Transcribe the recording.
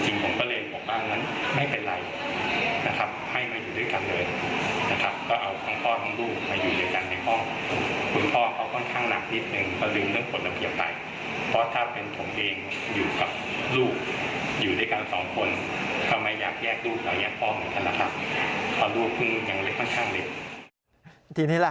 จริงผมก็เลยบอกว่างั้นไม่เป็นไรนะครับ